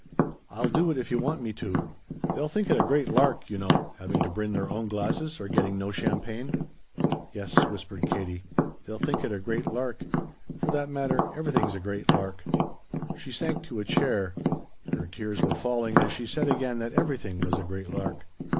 I'll do it if you want me to. They'll think it a great lark, you know, having to bring their own glasses or getting no champagne." "Yes," whispered Katie, "they'll think it a great lark. For that matter everything's a great lark." She sank to a chair. Her tears were falling as she said again that everything was a great lark.